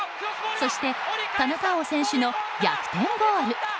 そして、田中碧選手の逆転ゴール。